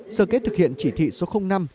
sơ kết thực hiện chỉ thị số năm